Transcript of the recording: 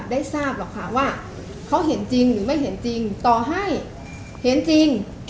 ได้ทราบหรอกค่ะว่าเขาเห็นจริงหรือไม่เห็นจริงต่อให้เห็นจริง